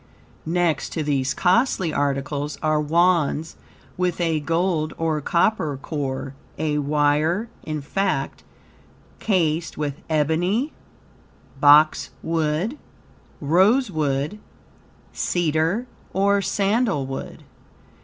Next to these costly articles are Wands with a gold or copper core, a wire, in fact, cased with ebony, boxwood, rosewood, cedar or sandalwood.